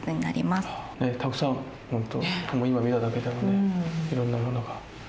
たくさん本当今見ただけでもねいろんなものが。